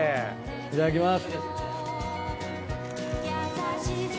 いただきます。